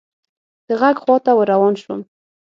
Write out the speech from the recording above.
د ږغ خواته ور روان شوم .